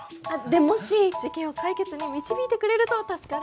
でもし事件を解決に導いてくれると助かるんですけど。